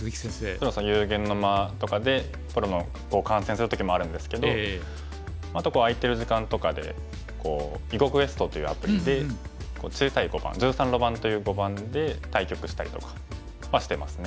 もちろん「幽玄の間」とかでプロの碁を観戦する時もあるんですけどあと空いてる時間とかで「囲碁クエスト」というアプリで小さい碁盤１３路盤という碁盤で対局したりとかはしてますね。